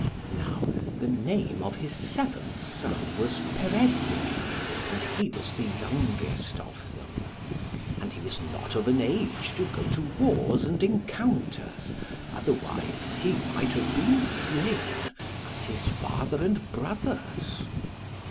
Now the name of his seventh son was Peredur, and he was the youngest of them. And he was not of an age to go to wars and encounters, otherwise he might have been slain as his father and brothers.